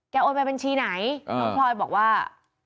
โอนไปบัญชีไหนน้องพลอยบอกว่า